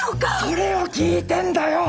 それを聞いてんだよ！